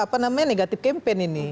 apa namanya negatif campaign ini